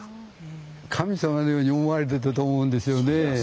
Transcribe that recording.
神様のように思われてたと思うんですよね。